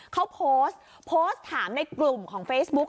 เขาโพสต์โพสต์ถามในกลุ่มของเฟซบุ๊ค